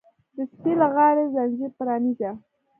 د سپي له غاړې ځنځیر پرانیزه!